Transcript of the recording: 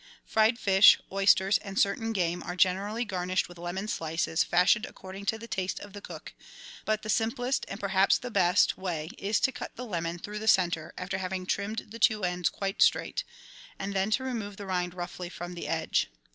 Fried fish, oysters, and certain game are generally garnished with lemon slices fashioned according to the taste of the cook ; but the simplest, and perhaps the best, way is to cut the lemon through the centre, after having trimmed the two ends quite straight, and then to remove the rind roughly from the edge.